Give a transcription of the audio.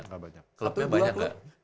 kelabnya banyak gak